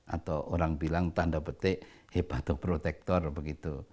atau orang bilang tanda petik hebat atau protektor begitu